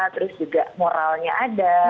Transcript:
terus juga moralnya ada